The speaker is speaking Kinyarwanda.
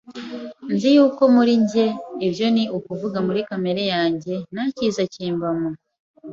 Nzi yuko muri njye, ibyo ni ukuvuga muri kamere yanjye, nta cyiza kimbamo